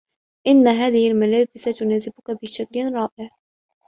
إنّ هذه الملابس تناسبك بشكل رائع.